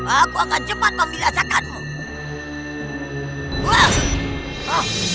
aku akan cepat memilasakanmu